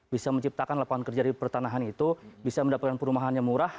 bisa menciptakan lapangan kerja di pertanahan itu bisa mendapatkan perumahan yang murah